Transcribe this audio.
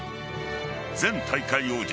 前大会王者